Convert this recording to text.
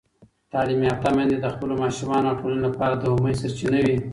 تعلیم یافته میندې د خپلو ماشومانو او ټولنې لپاره د امید سرچینه وي.